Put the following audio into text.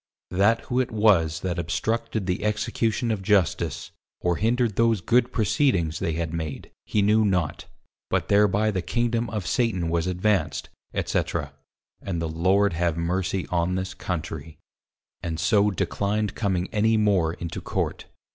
_That who it was that obstructed the Execution of Justice, or hindred those good proceedings they had made, he knew not, but thereby the Kingdom of Satan was advanc'd_, &c. and the Lord have mercy on this Country: and so declined coming any more into Court.